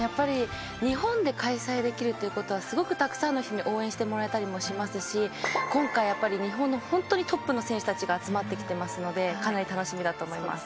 日本で開催できるということはすごくたくさんの人に応援してもらえたりもしますし今回、日本のトップの選手たちが集まってきますのでかなり楽しみだと思います。